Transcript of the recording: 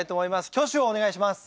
挙手をお願いします。